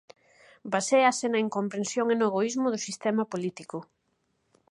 Baséase na incomprensión e no egoísmo do sistema político.